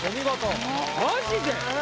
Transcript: マジで？